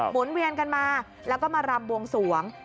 นเวียนกันมาแล้วก็มารำบวงสวง